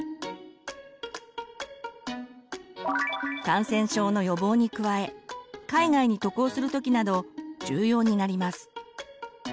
感染症の予防に加え海外に渡航する時など重要になります。